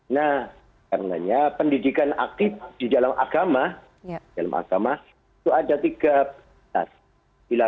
nah karena pendidikan akib di dalam agama itu ada tiga